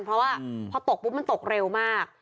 เพราะว่าพอตกปุ๊บมันตกเร็วมาก